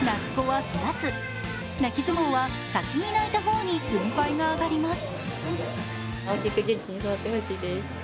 泣き相撲は先に泣いた方に軍配が上がります。